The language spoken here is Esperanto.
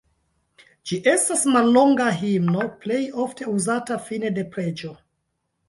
Ĝi estas mallonga himno, plej ofte uzata fine de preĝo.